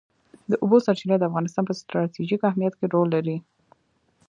د اوبو سرچینې د افغانستان په ستراتیژیک اهمیت کې رول لري.